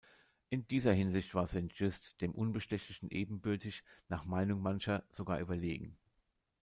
In dieser Hinsicht war Saint-Just dem „Unbestechlichen“ ebenbürtig, nach Meinung mancher sogar überlegen.